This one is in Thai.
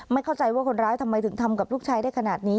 เข้าใจว่าคนร้ายทำไมถึงทำกับลูกชายได้ขนาดนี้